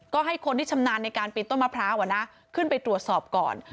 ก็ให้คนที่ชำนาญในการปีนต้นมะพร้าวขึ้นไปตรวจสอบก่อน